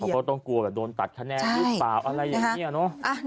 ก็ต้องกลัวแบบโดนตัดคะแนนหรือเปล่าอะไรอย่างนี้เนอะ